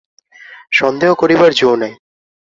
সন্দেহ করিবার যো নাই।